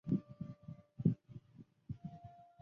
平坝铁线莲为毛茛科铁线莲属下的一个种。